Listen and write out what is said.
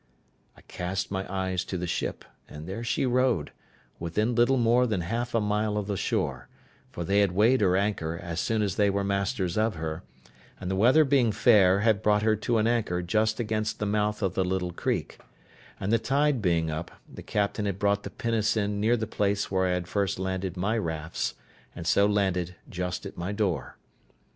I cast my eyes to the ship, and there she rode, within little more than half a mile of the shore; for they had weighed her anchor as soon as they were masters of her, and, the weather being fair, had brought her to an anchor just against the mouth of the little creek; and the tide being up, the captain had brought the pinnace in near the place where I had first landed my rafts, and so landed just at my door.